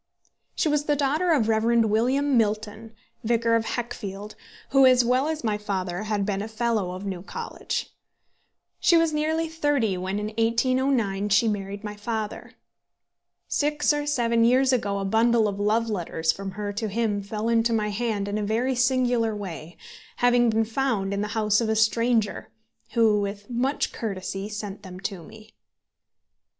She was the daughter of the Rev. William Milton, vicar of Heckfield, who, as well as my father, had been a fellow of New College. She was nearly thirty when, in 1809, she married my father. Six or seven years ago a bundle of love letters from her to him fell into my hand in a very singular way, having been found in the house of a stranger, who, with much courtesy, sent them to me.